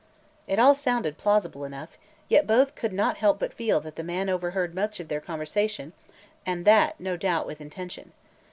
It all sounded plausible enough, yet both could not help but feel that the man overheard much of their conversation, and that, no doubt, with intention.